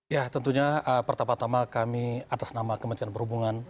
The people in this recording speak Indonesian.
ya tentunya pertama tama kami atas nama kementerian perhubungan